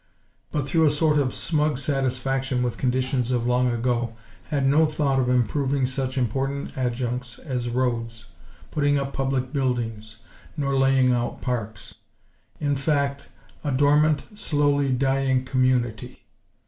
But, through a sort of smug satisfaction with conditions of long ago, had no thought of improving such important adjuncts as roads; putting up public buildings, nor laying out parks; in fact a dormant, slowly dying community.